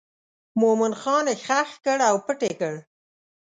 مومن خان یې ښخ کړ او پټ یې کړ.